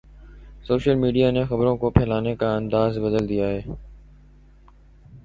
Social media نے خبروں کو پھیلانے کا انداز بدل دیا ہے۔